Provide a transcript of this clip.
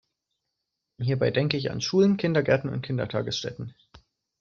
Hierbei denke ich an Schulen, Kindergärten und Kindertagesstätten.